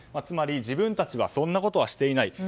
つまり自分たちはそんなことはしていない。